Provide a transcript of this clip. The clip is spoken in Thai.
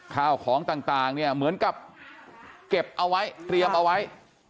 ข้าวของต่างเนี่ยเหมือนกับเก็บเอาไว้เตรียมเอาไว้